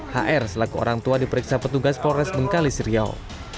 hr selaku orang tua diperiksa petugas polres bengkali serial